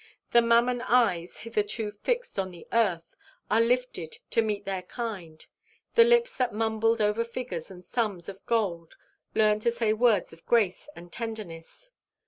The mammon eyes, hitherto fixed on the earth, are lifted to meet their kind; the lips that mumbled over figures and sums of gold learn to say words of grace and tenderness.